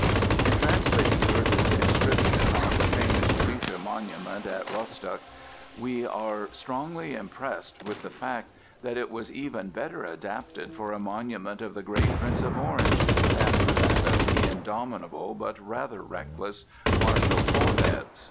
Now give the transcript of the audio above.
In translating Goethe's inscription on the famous Blücher monument at Rostock we were strongly impressed with the fact that it was even better adapted for a monument of the great Prince of Orange than for that of the indomitable, but rather reckless, "Marshal Vorwärts."